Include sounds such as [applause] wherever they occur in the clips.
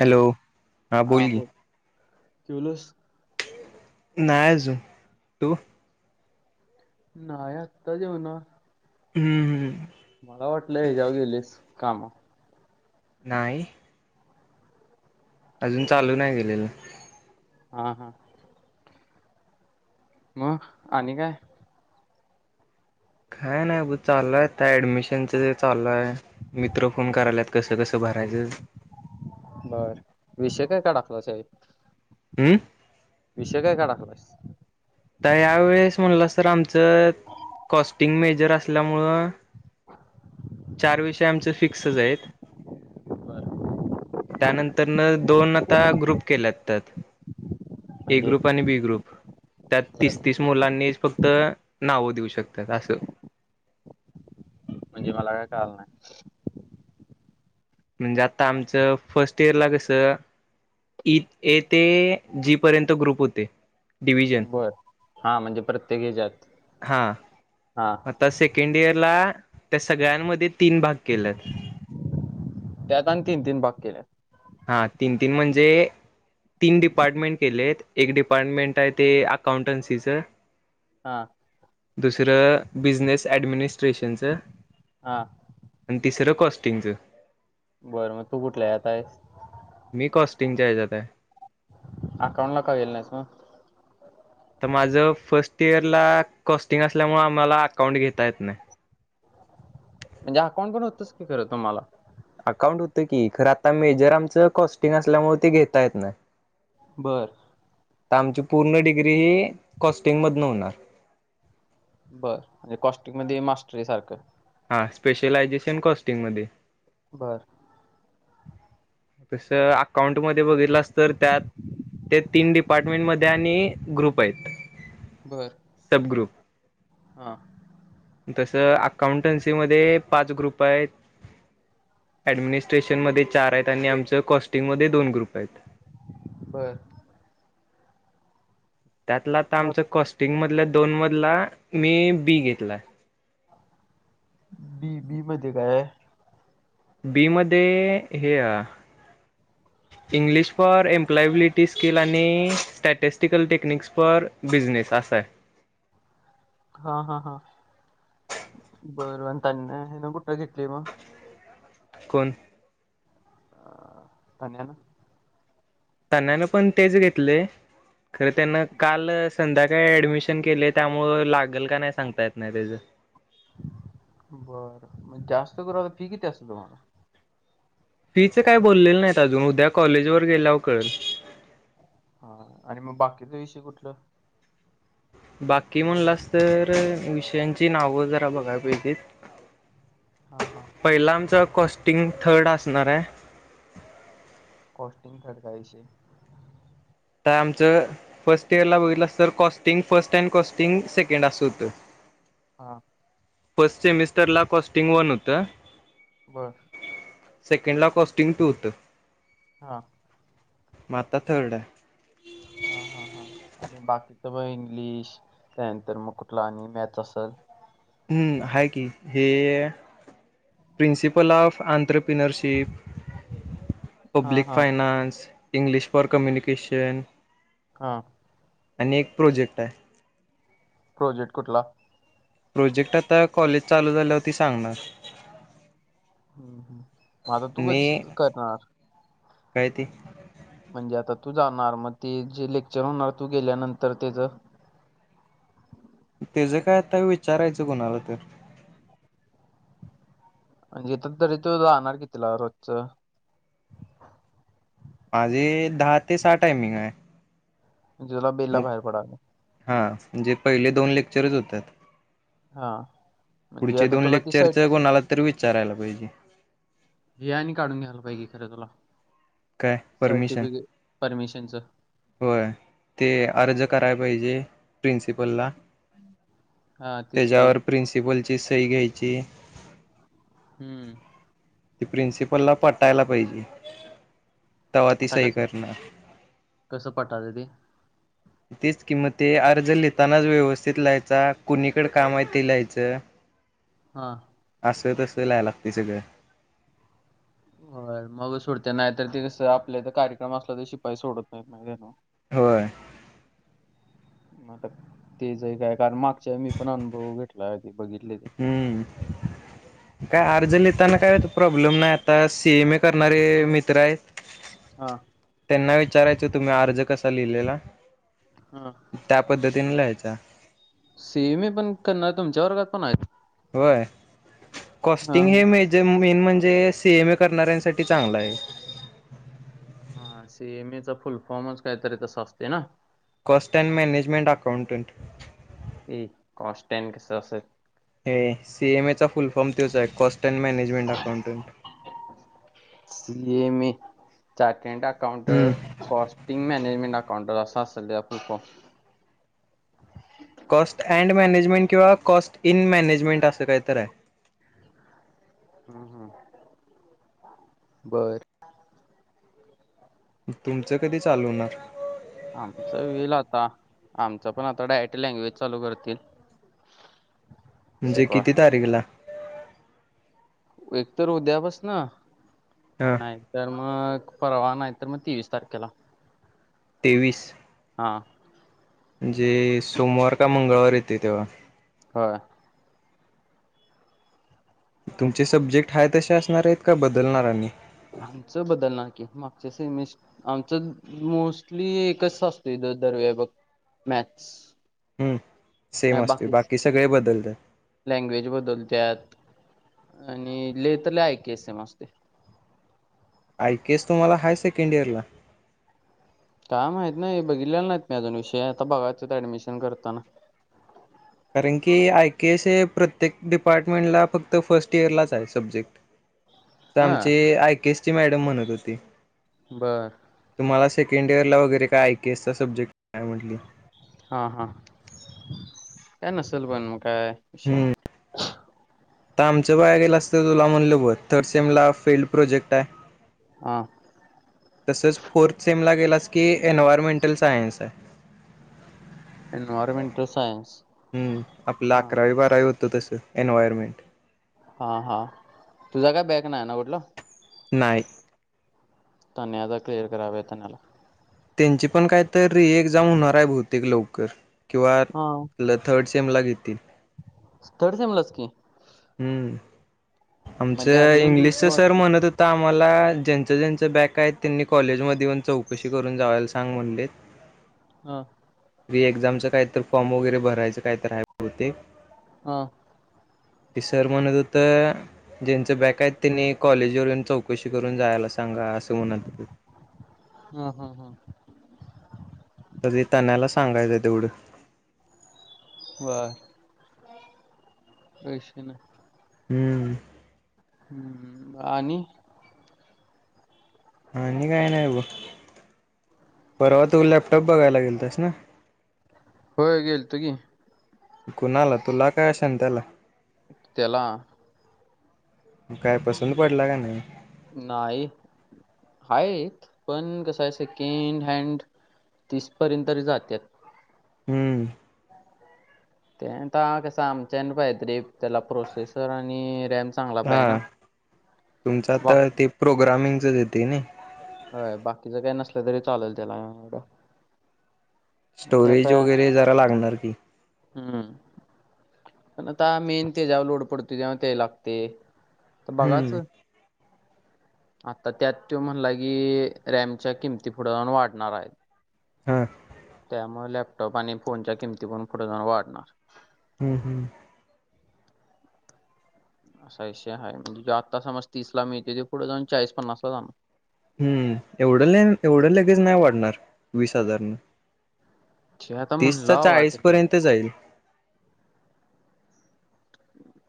Hello हा बोल की. जेवलास? नाही आजुन, तू? नाहीय आत्ता जेवनार. हम्म हम्म. मला वाटलं हे जव गेलेस. कामव. नाही. अजून चालू नाही झालेलं. हा हा. मग आणि काय? काय नाही बग चालूय आता ऍडमिशनच चालुय. मित्र फोन कराल्यात कसं कसं भरायचं? बर. विषय काय काय टाकलास ह्यावेळी? हम्म. विषय काय काढालायस? तर यावेेळेस म्हणलं तर आमचं कॉस्टिंग मेजर असल्यामुळं चार विषय आमच फिक्सच आहेत. बर त्यानंतर न दोन आता ग्रुप केल्यात त्यात. ए म्हणजे ग्रुप आणि बी ग्रुप त्यात बर तीस तीस मुलांनी फक्त नावं देऊ शकतात असं. म्हणजे मला काय कळाल नाय. म्हणजे आता आमचं फर्स्ट इयरला कस, इ ए ते जी पर्यंत ग्रुप होते. डिव्हजन बर. हा म्हणजे प्रत्येक हेच्यात. हा आता सेकंड इयर ला त्या सगळ्यांमध्ये तीन भाग केल्यात. त्यात आणि तीन तीन भाग केल्यात. हा तीन तीन म्हणजे तीन डिपार्टमेंट केले आहेत. एक डिपार्टमेंट आहे ते अकाउंटन्सीचं. हा दुसरं बिझनेस. डमिट्र सेंसर हा आणि तिसरा कॉस्टिंगस बरं मग तू कुठलं आताय? मी कॉस्टिंगच्या ह्याच्यात आहे. अकाउंला का येल नाहीस म तर माझं फर्स्ट इयर ला कॉस्टिंग असल्यामुळे आम्हाला अकाउंट घेता येत नाही. म्हणजे अकाउंट पण होतंस की खरं तुम्हाला अकाउंट होतं की खरं आता मेजर आमचं कॉस्टिंग असल्यामुळे ते घेता येत नाही. बर. तर आमची पूर्ण डिग्री ही कॉस्टिंग मध न होणार. बर म्हणजे कॉस्टिक मध्ये मास्टर आहे सारखं. स्ेशलाेशन कॉस्टिंग म बरं. तस अकाउंट मध्ये बघितलं अस तर त्यात ते तीन डिपार्टमेंट मध्ये आणि ग्रुप आहेत. बर सब ग्रुप. हा. तसं अकाउंटन्सी मध्ये पाच ग्रुप आहेत ऍडमिनिस्ट्रेशन मध्ये चार आहेत आणि आमच कॉस्टिंग म दोन ग्रुप आहेत बर. त्यातलं आता मग आमच कॉस्टिंग मधल्या दोन मधला मी बी घेतला. बीबी म देखाय. बी मध्ये हे इंग्लिश फॉर एम्प्लॉयबिलिटी स्किल आणि स्टॅटिस्टिकल टेक्निक्स फॉर बिझनेस असा आहे. हा हा हा बर तनी ना ना कुठ घेतली मग कोण? अ न्या ना त्यांनान पण तेच घेतले खर त्यांना काल संध्याकाळी ऍडमिशन केले त्यामु लाग गल का नाही सांगता येत नाही त्याच फिकित असतो तुम्हा फीच काय बोललेलं नाहीत अजून उद्या कॉलेज वर गेल्यावकर हा आणि मग बाकीचा विषय कुठलं. बाकी म्हणलास तर विषयांची नावं जरा बघायला पाहिजे. हा हा पहिला आमचा. कॉस्टिंग थड अससणार रे. पॉस्टिंग खडकायची. तर आमचं फर्स्ट इयरला बघितलं अस तर costing first and costing second असं होतं. हा. फस्ट सेमिस्टर ला कॉस्टिंग वन होतं. बर. सेकंड ला कॉस्टिंग टूथ हा. मता थर्ड आहे. हा हा हा अ बाकी मग इंग्लिश त्यानंतर मग कुठला आणि मॅथ असल... हम्म आहे की हे प्रिन्सिपल ऑफ अनटरप्रिनरशिप... हा पब्लिक हा finance... English for communication... Kishan... हा आणि एक प्रोजेक्ट आहे. प्रोजेक्ट कुठला. प्रोजेक्ट आता कॉलेज चालू झाला होती सांगणार. हम्म हम् आता तू काच करणार. कायती. म्हणजे आता तू जाणार मग ते जे लेक्चर होणार तू गेल्यानंतर तेच.... तेचं काय आता विचारायचं कुणाला तर. म्हणजे इथ तरी तू जाणार की तिला रोजच. माझे दहा ते सहा टायमिंग आहे. जला बेला मग बाहेर पडा. हा म्हणजे पहिले दोन लेक्चरच होतात. हा म्हणजे पुढचे आता दोन तुला ति सा लेक्चरच कोणाला तर विचारायला पाहिजे हे काढून घ्याला पाहिकीे खरं तुला... काय परमिशन सर्टिफिकेट परमिशनचं होय ते अर्ज करायला पाहिजे. प्रिंसिपलला.. हा तेच की त्याच्यावर प्रिन्सिपल... ची सई घ्यायची. हम्म. त प्रिन्सिपलला पटायला पाहिजे. तवा ती आता सही कस करणार कसं पटातं ते... तीच किंमत ते अर्ज लिहीतानाच व्यवस्थित लिहायचा कुणीकडे काम आहे ते लिहायचं हा तस तस ल्हायला लागतय सगळ हो मग सोडते नाही तर ते कस आपल्या तर कार्यक्रम असला तर शिपाई सोडत नाहीत माग घरी होय म तेच आहे काय कारण मागच्या मी पण अनुभव घेतला ते बघितले ते हम्म काय अर्ज लिहिताना काय होत प्रॉब्लेम नाही आता सीएमए करणारे मित्र आहेत हा त्यांना विचारायच तुम्ही अर्ज कसा लिहिलेला हा त्या पद्धतीने ल्हायचा ता सिएएमए पण करणारे तुमच्या वर्गात पण आहेत होय हा कॉस्टिंग हे मेज मेन म्हणजे म्हणे सीएमए करणाऱ्यांसाठी चांगला आहे. हा हा सिएम़एमेचा फुलफॉर्मच काहीतरी तर आसतय ना. Cost and management accountant. कॉस्टन कस अस हे सीएमए चा फुल फॉर्म तोच आहे. Cost and management accountant. [inaudible] And account hmm costing management account counter अस असल त्यावर full form. Cost and management किंवा कॉस्ट इन मॅनेजमेंट असं काहीतर आहे. हम् हम् बर. तुमचं कधी चालू होणार? आमच होइल आता, आमच पण आता डायरेेक्ट लँग्वेज चालू करतील. म्हणजे शिकवा किती तारीखला? एकतर उद्यापसनं हा नाही तर मग परवा नाही तर मग तेवीस तारखेला. तेवीस. हां. म्हणजे सोमवार का मंगळवार येते तेव्हा. होय. तुमचे सब्जेक्ट हाय तसे असणार आहेत का बदलणार आणि? आमचं बदलणार की मागच्या सेमिस्ट, आमचं मोस्टली एकच असतोय दरवेळी बघ मॅथस. हम. सेम असते बाकी सगळे बदलतात. लँग्वेज बदलत्यात आणि लई तर लई आय के एस सेम असतोय. आय के एस तुम्हाला हायर सेकंड इयरला? काय माहित नाही, बघितलेलं नाहीत मी अजून विषय, आता बघााच ऍडमिशन करताना. कारण की आयकेएस हे प्रत्येक डिपार्टमेंटला फक्त फर्स्ट इयरलाच आहे सब्जेक्ट. तर आमचे हा आयकेएस ची मॅडम म्हणत होती. बर. तुम्हाला सेकंड इयरला वगैरे काय आयकेएसचा सब्जेक्ट नाही म्हटली. हा हा. काय नसेल पण मग. काय विषय हम्म नाही. तर आमच्या पाया गेल असत तुला म्हणल [unintelligible] थर्ड सेम ला फेल प्रोजेक्ट आहे. हा तसच फोर्थ सेम ला गेलास की एन्वयरमेंटल सायन्स आहे. Environmental science. हम् आपल हा अकरावी बारावी वर तसं एनव्हायरर्मेन्ट हा हा तुझा काय बॅक नाही ना कुठला? नाही. तन्मया च क्लिअर कराया पाहिजे तन्मयला. त्यांची पण काय तर री एक्झाम होणार आहे बहुतेक लवकर. किंवा हा ल थर्ड सेमला घेतील. थर्ड सेमलाच की. हम्म. आमच मध्ये आधी मध्ये घेतलं इंग्लिशच सर वाटत नाही. म्हणतं होत आम मला ज्यांच ज्यांच बॅक आहेत त्यांनी, कॉलेज मध्ये येऊन चौकशी करून जावायला सांग म्हणलेत. हां. रीएक्झामच काहीतरी फॉर्म वगैरे भरायच काय तर हाय बहुतेक. हां. ते सर म्हणत होतं ज्यांच बॅक आहेत त्यांनी, कॉलेज वर येऊन चौकशी करून जायला सांग. सांगा असं म्हणत. हा हा हा तर ते तन्याला सांगायच तेवढं [unintelligible] हम्म. आणि. आणि काय नाही बॉ, परवा तुला लॅपटॉप बघायला गेल तास ना. होय गेलतो की. कुणाला तुला काय शांत्याला? त्याला. काय पसंद पडला का नाही? नाही आहेत पण, कसं आहे सेकंड हँड तिस पर्यंत तरी जात्यात. हम्म. तेन ता कसं आमच्यान पाहिजे तरी, त्याला प्रोसेसर आणि रॅम चांगला पाहिजे ना हां तुमचं तर बाकी ते प्रोग्रामिंग च येतय नई. ह बाकीचं काही नसलं तरी चालेल त्याला एवढ. स्टोरेज वगैरे जरा लागणार की. हम्म. पण आता मेन ते जेवा लोड पडतोय तेवा ते लागते. त बघाच. हम्म आता त्यात त्यो म्हणलाय की, रॅमच्या किंमती पुढे हून वाढणार आहेत. हा त्यामुळं लॅप टॉप आणि फोनच्या किमती पण, पुढं जाऊन वाढणारं. हम्म हम्म. असा ईषय हाय म्हणजे जे आत्ता समज तीसला मिळते ते पुढं जाऊन चाळीस पन्नास ला जाणारं. हम्म एवढं लेन एवढं लगेज नाही वाढणार वीस हजार न. ते आता तीसचा म्हणला वा चाळीस त्याचा पर्यंत जाईल.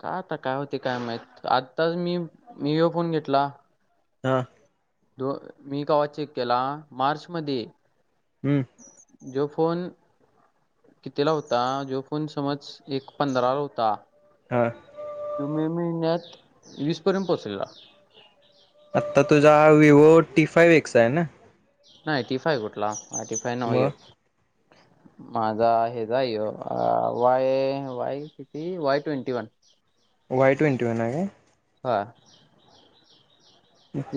का आता काय होते काय माहित, आताचं मी मीओ फोन घेतला. हा. दो मी कावा चेक केला मार्च मध्ये हम्म. जो फोन कितीला होता जो फोन समज एक पंधराला होता. हा तु मे महिन्यात वीस पर्यंत पोचलेला. आता तुझाा विवो टी फाइव्ह एक्स आहे ना. नाही टीफाय कुठला? ती फाय नव्ह मग ह्यो. माझा हे जा आहे वाय वाय किती Y twenty one Y twenty one आहे काय हां.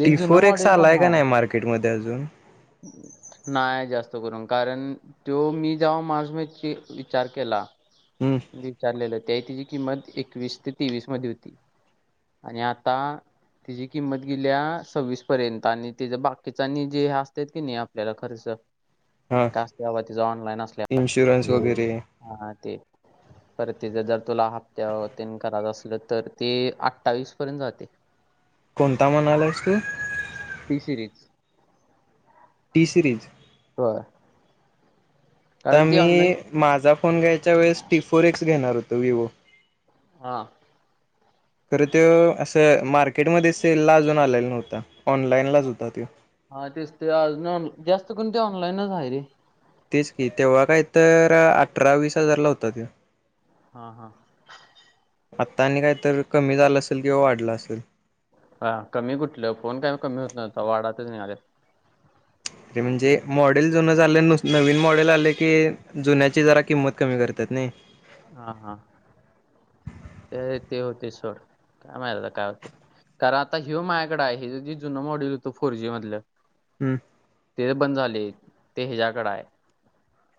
टिफोर एक आलाय का नाही मार्केटमध्ये मध्ये अजून नाही जास्त करून कारण तो मी जावा मार्च मध्ये विचार केला. हम्म जी चाललेलं ते त [unintelligible] किंमत एकवीस ते तेवीस मध्ये होती आणि आता तिची किंमत गेल्या सव्वीस पर्यंत आणि त्याच्या बाकीचा आणि जे असत की नाही आपल्याला खर्च. हा काय कास् बाबा तिचा ऑनलाईन असल्या इन्शुरन्स वगैरे ह ते पर तिथ जर तुला हप्त्यावरतीन करायचं असल तर ती अठ्ठावीस पर्यंत जाते. कोणता म्हणालास तू? टी सिरीज टी सिरीज हो. आता मी माझा फोन घ्यायच्या वेळेस टीफोर एक घेणार होत विवो हा. खरं त असं मार्केटमध्ये सेल ला अजून आलेला नव्हता ऑनलाईन लाच होता तो. हा तेच ते अज ऑन जास्त कोण ते ऑनलाईनच आहे रे. तेच की तेव्हा काय तर अठरा वीस हजारला होत त. हा हा. आत्ता आणि काय तर कमी झालं. किंवा वाढलं असेल हा कमी कुठलं फोन काय कमी होत न्हता वाडा. तज नाहीले. अरे म्हणजे मॉडेल जुनच आले नवीन मॉडेल आले की जुन्याची जरा किंमत कमी करतात नाही. हा हा ते ते होते सर काय माता काय होते कारण आता हि माझ्याकड आहे ज जुन मॉडेल होतं फोरजी मधलं. हम्म. ते बंद झाले ते ह्याच्या्याकड आहे.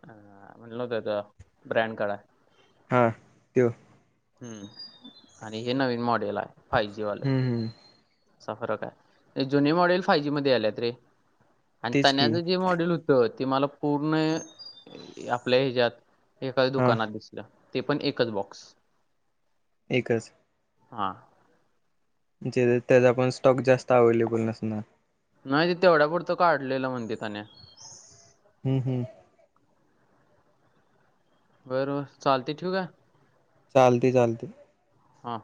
हा म्हणट नव्हत ब्रँड काढ. हा तो. हम्म आणि हे नवीन मॉडे फाव जी वा. हम्म हम्म असा फरक आहे जुने मॉडेल फाय जी मध्ये आलेयत रे. आणि तेच की तण्याचं जे मॉडेल होत. ते मला पूर्ण आपल्या ह्याच्यात एखाद्या हा दुकानात दिसलं. ते पण एकच बॉक्स. एकच? हा. ज [unintelligible] त्याचा पण स्टॉक जास्त अवेलेबल नसतो. पु ना [unintelligible] नाही तिथ तेवढा पुुरतं काडलेलं म्हणते तने. हम्म. हम्म. बर, बर चालतय, ठेवू काय? चालतय, चालतय. हा.